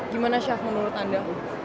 gimana chef menurut anda